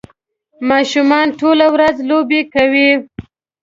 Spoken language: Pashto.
ماشومان ټوله ورځ لوبې کوي.